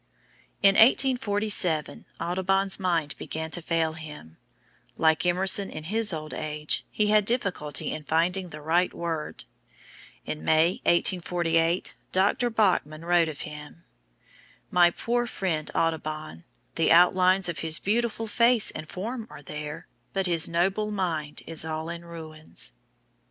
In 1847, Audubon's mind began to fail him; like Emerson in his old age, he had difficulty in finding the right word. In May, 1848, Dr. Bachman wrote of him: "My poor friend Audubon! The outlines of his beautiful face and form are there, but his noble mind is all in ruins."